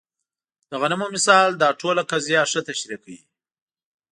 د غنمو مثال دا ټوله قضیه ښه تشریح کوي.